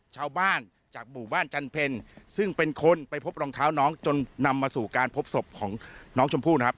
ชาวบ้านจากหมู่บ้านจันเพ็ญซึ่งเป็นคนไปพบรองเท้าน้องจนนำมาสู่การพบศพของน้องชมพู่นะครับ